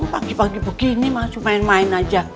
pagi pagi begini cuma main main aja